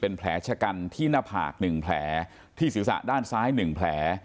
เป็นแผลชะกันที่หน้าผาก๑แผลที่ศิษย์ศาสตร์ด้านซ้าย๑แผล